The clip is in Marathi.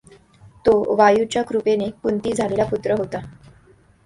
तो वायूच्या कृपेने कुंतीस झालेला पुत्र होता.